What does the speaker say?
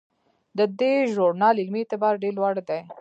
د دې ژورنال علمي اعتبار ډیر لوړ دی.